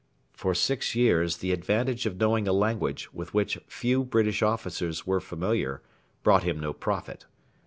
For six years the advantage of knowing a language with which few British officers were familiar brought him no profit.